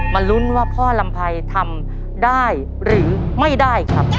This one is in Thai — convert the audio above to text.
ลุ้นว่าพ่อลำไพรทำได้หรือไม่ได้ครับ